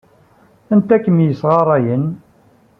Anta ay kem-yessɣarayen?